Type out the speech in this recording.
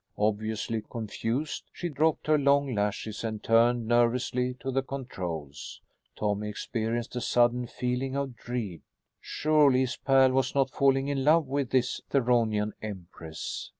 Obviously confused, she dropped her long lashes and turned nervously to the controls. Tommy experienced a sudden feeling of dread. Surely his pal was not falling in love with this Theronian empress!